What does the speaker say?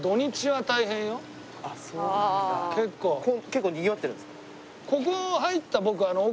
結構にぎわってるんですか？